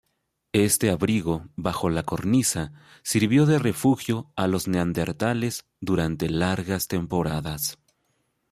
Este abrigo bajo la cornisa sirvió de refugio a los neandertales durante largas temporadas.